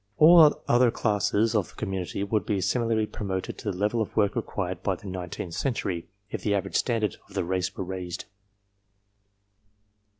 All other classes of the community would be similarly promoted to the level of the work required by the nineteenth century, if the average standard of the race were raised.